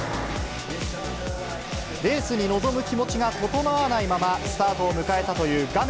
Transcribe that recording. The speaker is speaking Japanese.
レースに臨む気持ちが整わないままスタートを迎えたという画面